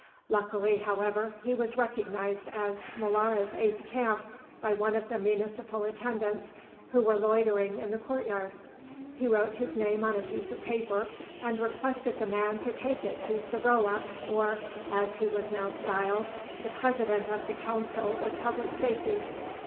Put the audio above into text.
Luckily, however, he was recognised as Molara's aide de camp by one of the Municipal attendants who were loitering in the courtyard. He wrote his name on a piece of paper and requested the man to take it to Savrola or, as he was now styled, the President of the Council of Public Safety.